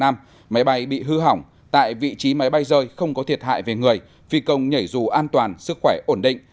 phi công nhảy rù an toàn sức khỏe ổn định